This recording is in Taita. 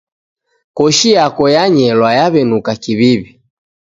Koshi yako yanyelwa yaw'enuka kiw'iw'i.